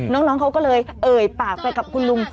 น้องเขาก็เลยเอ่ยปากไปกับคุณลุง